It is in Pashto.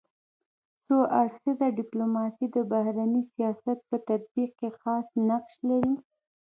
څو اړخیزه ډيپلوماسي د بهرني سیاست په تطبیق کي خاص نقش لري.